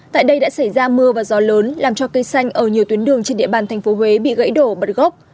tại đây đã xảy ra mưa và gió lớn làm cho cây xanh ở nhiều tuyến đường trên địa bàn tp huế bị gãy đổ bật gốc